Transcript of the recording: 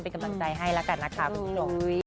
เป็นกำลังใจให้แล้วกันนะคะคุณผู้ชม